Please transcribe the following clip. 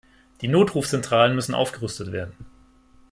Die Notrufzentralen müssen aufgerüstet werden.